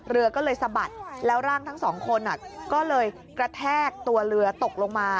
เรือก็เลยสะบัดแล้วร่างทั้งสองคนก็เลยกระแทกตัวเรือตกลงมา